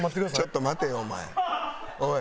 ちょっと待てよお前おい。